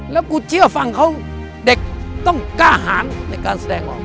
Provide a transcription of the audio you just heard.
แล้วกูเชื่อฟังเขาเด็กต้องกล้าหารในการแสดงออก